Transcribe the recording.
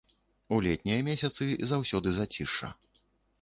У летнія месяцы заўсёды зацішша.